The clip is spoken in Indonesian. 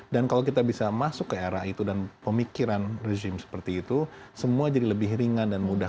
dan kalau kita bisa masuk ke era itu dan pemikiran regime seperti itu semua jadi lebih ringan dan mudah